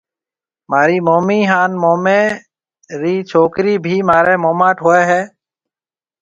مهارِي مومِي هانَ موميَ رِي ڇوڪرِي ڀِي مهارِي موماٽ هوئيَ هيَ۔